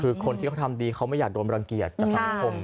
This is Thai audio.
คือคนที่เขาทำดีเขาไม่อยากโดนรังเกียจจากสังคม